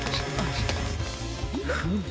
フム。